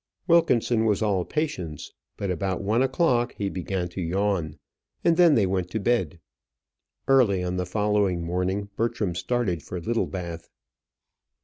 Wilkinson was all patience; but about one o'clock he began to yawn, and then they went to bed. Early on the following morning, Bertram started for Littlebath.